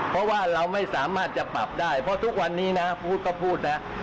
เพราะว่าเราไม่สามารถจะปรับได้เพราะทุกวันนี้นะพูดก็พูดนะ